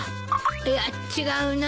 いや違うな。